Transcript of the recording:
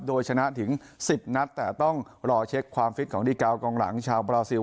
โดยชนะถึง๑๐นัดแต่ต้องรอเช็คความฟิตของดีกาวกองหลังชาวบราซิล